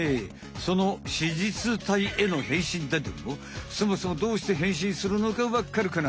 その子実体への変身だどもそもそもどうして変身するのかわっかるかな？